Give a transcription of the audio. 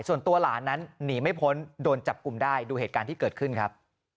ส่วนตัวหลานนั้นหนีไม่พ้นโดนจับกลุ่มได้ดูเหตุการณ์ที่เกิดขึ้นครับ